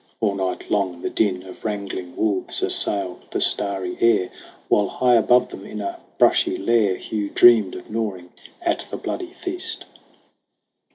All night long, the din Of wrangling wolves assailed the starry air, While high above them in a brushy lair Hugh dreamed of gnawing at the bloody feast.